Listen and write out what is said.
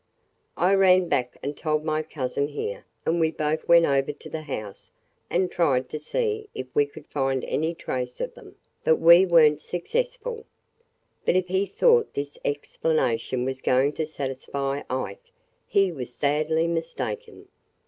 "I ran back and told my cousin here and we both went over to the house and tried to see if we could find any trace of them – but we were n't successful!" But if he thought this explanation was going to satisfy Ike, he was sadly mistaken.